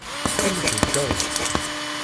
Qqimet deg tkeṛṛust.